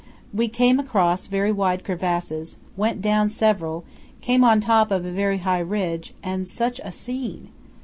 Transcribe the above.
We came across very wide crevasses, went down several, came on top of a very high ridge, and such a scene!